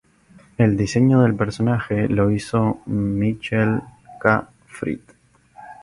El diseño del personaje lo hizo Michael K. Frith.